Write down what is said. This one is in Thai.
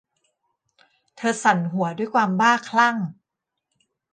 เธอสั่นหัว ด้วยความบ้าคลั่ง